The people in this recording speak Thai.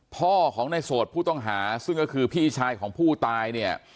พ่อของในโสดผู้ต้องหาซึ่งก็คือพี่ชายของผู้ตายเนี่ย